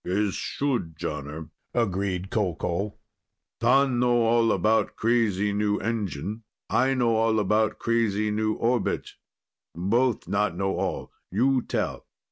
"Is should, Jonner," agreed Qoqol. "T'an know all about crazy new engine, I know all about crazy new orbit. Both not know all. You tell."